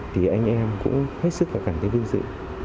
thì anh em cũng hết sức và cảm thấy vinh dự